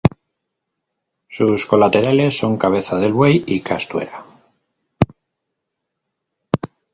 Sus colaterales son Cabeza del Buey y Castuera.